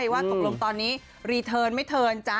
ว่าตกลงตอนนี้รีเทิร์นไม่เทินจ๊ะ